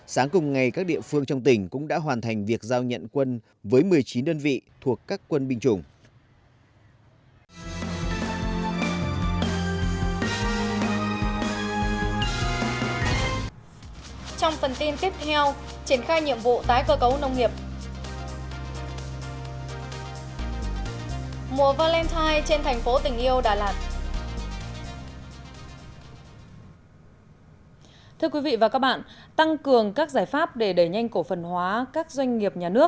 sáng cùng ngày các địa phương trong tỉnh cũng đã hoàn thành việc giao nhận quân với một mươi chín đơn vị thuộc các quân binh chủng